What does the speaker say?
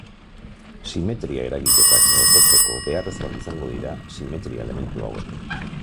Simetria eragiketak gauzatzeko beharrezkoak izango dira simetria elementu hauek.